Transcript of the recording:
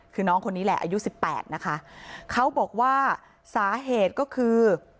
คือน้องคนนี้แหละอายุสิบแปดนะคะเขาบอกว่าสาเหตุก็คือ